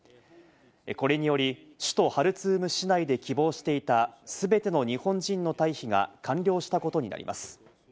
これにより首都ハルツーム市内で希望していたすべての日本人の退避が完了したことになります。